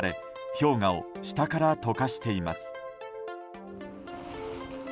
氷河を下から解かしています。